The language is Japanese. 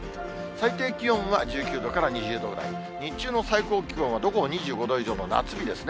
最低気温は１９度から２０度ぐらい、日中の最高気温はどこも２５度以上の夏日ですね。